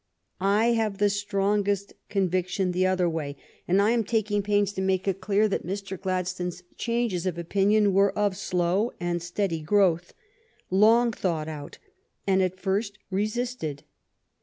I have the strongest conviction the other way, and I am taking pains to make it clear that Mr. Gladstone s changes of opinion were of slow and steady growth, long thought out, and at first resisted.